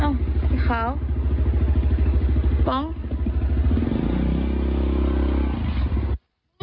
อ้าวอีกครั้งฟัง